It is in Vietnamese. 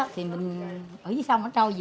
thì mình ở dưới sông trâu gì